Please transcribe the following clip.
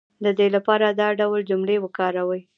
د دې لپاره دا ډول جملې وکاروئ